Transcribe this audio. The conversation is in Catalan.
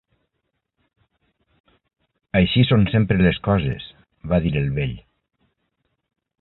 "Així són sempre les coses", va dir el vell.